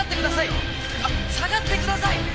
下がってください